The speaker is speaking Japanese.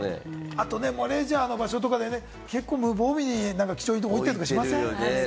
あとレジャーの場所とかで結構無防備に貴重品とか置いたりしません？